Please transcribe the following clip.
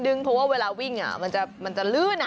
เพราะว่าเวลาวิ่งมันจะลื่น